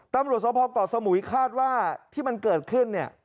ตำรวจสมภาพปรสมุวิฆาตว่าที่มันเกิดขึ้นเนี่ย